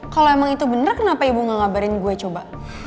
kalau emang itu benar kenapa ibu gak ngabarin gue coba